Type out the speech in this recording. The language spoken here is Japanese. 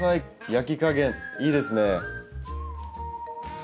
焼き加減いいですね。